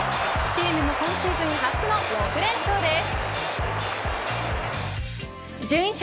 チームも今シーズン初の６連勝です。